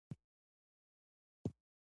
استاد بینوا د ښوونځیو لپاره ساده کتابونه ولیکل.